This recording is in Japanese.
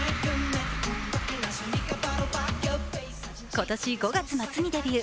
今年５月末にデビュー。